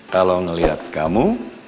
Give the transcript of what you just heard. kalau ngeliat kamu